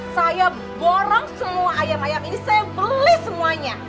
saya borong semua ayam ayam ini saya beli semuanya